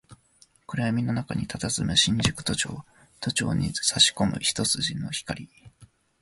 暗闇の中に佇む新宿都庁、都庁に差し込む一筋の光